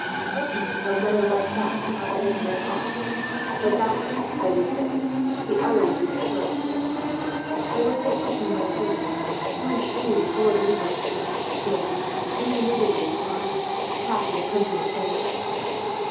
Personally I would rather ride fast, with half a dozen men at arms; but doubtless, as you say, the other would be the surest way. I will take with me my servant, who is shrewd and full of resources and, being a native of these parts, could pass as a countryman anywhere.